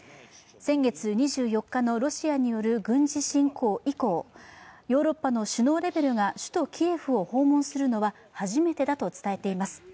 先月２４日のロシアによる軍事侵攻以降、ヨーロッパの首脳レベルが首都キエフを訪問するのは初めてだと伝えています。